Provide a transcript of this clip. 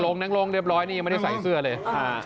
นักลงเรียบร้อยนี่ยังไม่ได้ใส่เสื้อเลย